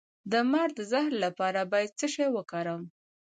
د مار د زهر لپاره باید څه شی وکاروم؟